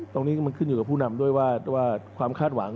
ตรงนี้มันขึ้นอยู่กับผู้นำด้วยว่าความคาดหวัง